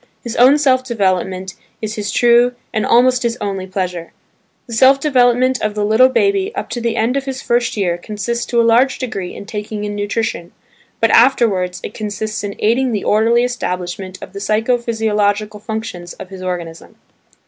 His own self development is his true and almost his only pleasure. The self development of the little baby up to the end of his first year consists to a large degree in taking in nutrition; but afterwards it consists in aiding the orderly establishment of the psycho physiological functions of his organism.